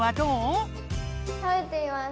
食べてみます。